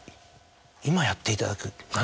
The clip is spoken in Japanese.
今やっていただく？